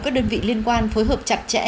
các đơn vị liên quan phối hợp chặt chẽ